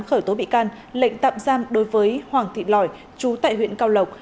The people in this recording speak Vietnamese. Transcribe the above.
khởi tố bị can lệnh tạm giam đối với hoàng thị lòi chú tại huyện cao lộng